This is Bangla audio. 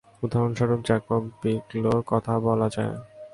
উদাহরণ স্বরূপ জ্যকব বিগ্লো’র কথা বলা যায়।